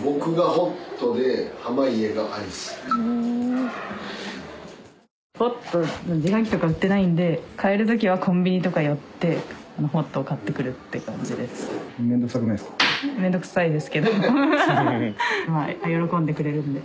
ホット自販機とか売ってないんで買えるときはコンビニとか寄ってホットを買ってくるって感じです。